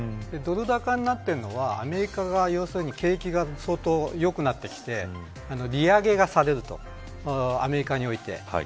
ドル高になっているのはアメリカが要するに景気が相当良くなってきて利上げがされるとアメリカにおいて。